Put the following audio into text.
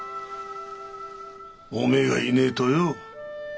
おめえがいねえとよ。